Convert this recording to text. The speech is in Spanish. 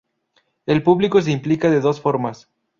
El público se implica de dos formas.